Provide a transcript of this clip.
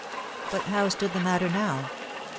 But how stood the matter now ?